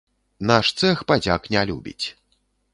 Наш цэх падзяк не любіць.